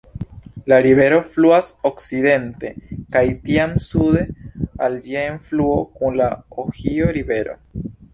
La rivero fluas okcidente kaj tiam sude al ĝia enfluo kun la Ohio-Rivero.